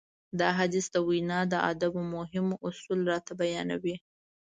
دا حديث د وينا د ادابو مهم اصول راته بيانوي.